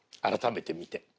改めて見て。